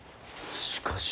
しかし。